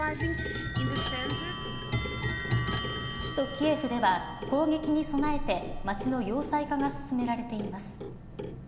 首都・キエフでは攻撃に備えて街の要塞化が進められています。